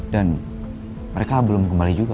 dan mereka belum kembali juga pak